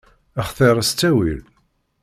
Xtiṛ s ttawil.